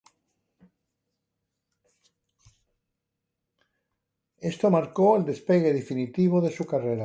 Esto marcó el despegue definitivo de su carrera.